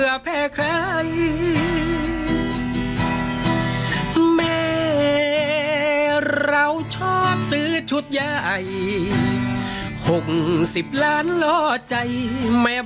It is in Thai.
โอ้วครับคิดพีดินให้นี่